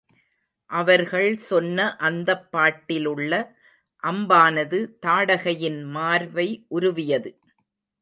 அவர்கள் சொன்ன அந்தப் பாட்டிலுள்ள அம்பானது தாடகையின் மார்பை உருவியது.